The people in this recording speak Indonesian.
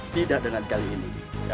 tidak dengan kali ini